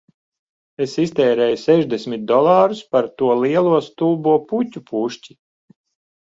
Es iztērēju sešdesmit dolārus par to lielo stulbo puķu pušķi